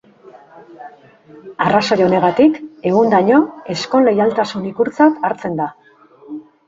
Arrazoi honegatik, egundaino, ezkon leialtasun ikurtzat hartzen da.